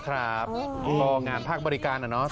ครับปงภบริการน่ะเนอะ